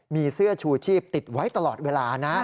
มีเสื้อชูชีพติดไว้ตลอดเวลานะ